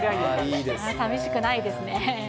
さみしくないですね。